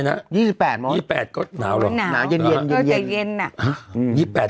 หรือเย็น